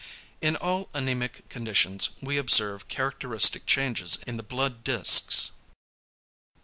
In all anæmic conditions we observe characteristic changes in the blood discs.